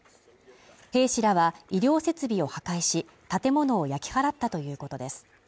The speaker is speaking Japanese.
兵士らは、医療設備を破壊し、建物を焼き払ったということです。